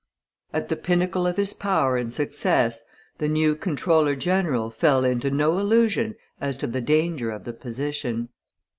At the pinnacle of his power and success the new comptroller general fell into no illusion as to the danger of the position.